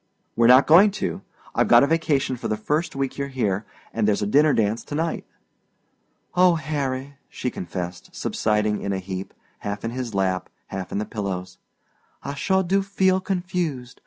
"We're not going to. I've got a vacation for the first week you're here, and there's a dinner dance to night." "Oh, Harry," she confessed, subsiding in a heap, half in his lap, half in the pillows, "I sure do feel confused.